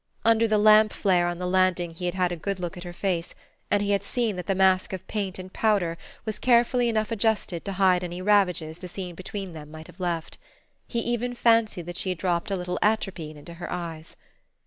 Under the lamp flare on the landing he had had a good look at her face, and had seen that the mask of paint and powder was carefully enough adjusted to hide any ravages the scene between them might have left. He even fancied that she had dropped a little atropine into her eyes....